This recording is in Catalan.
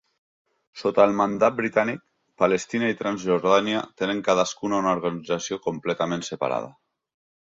Sota el mandat britànic, Palestina i Transjordània tenen cadascuna una organització completament separada.